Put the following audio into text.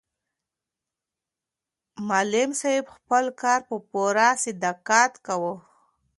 معلم صاحب خپل کار په پوره صداقت کاوه.